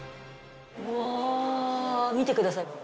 うわ見てください。